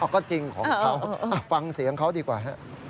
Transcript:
ก็จริงของเขาฟังเสียงเขาดีกว่าฮะ